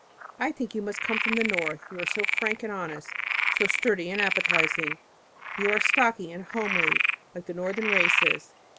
I think you must come from the north, you are so frank and honest, so sturdy and appetizing. You are stocky and homely like the northern races.